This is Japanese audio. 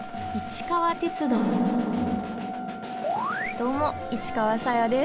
どうも市川紗椰です！